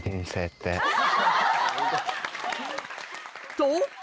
と！